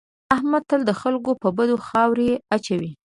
احمد تل د خلکو په بدو خاورې اچوي.